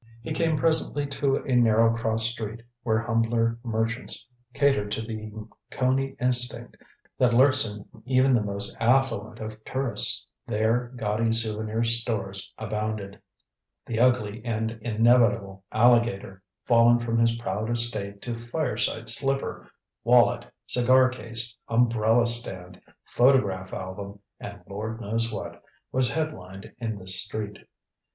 He came presently to a narrow cross street, where humbler merchants catered to the Coney instinct that lurks in even the most affluent of tourists. There gaudy souvenir stores abounded. The ugly and inevitable alligator, fallen from his proud estate to fireside slipper, wallet, cigar case, umbrella stand, photograph album and Lord knows what, was head lined in this street.